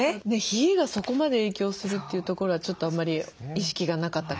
冷えがそこまで影響するというところはちょっとあんまり意識がなかったかもしれない。